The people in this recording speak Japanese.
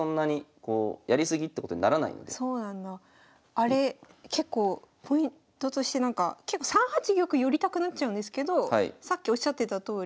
あれ結構ポイントとしてなんか結構３八玉寄りたくなっちゃうんですけどさっきおっしゃってたとおり。